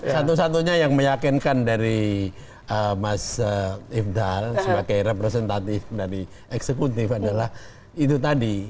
satu satunya yang meyakinkan dari mas ifdal sebagai representatif dari eksekutif adalah itu tadi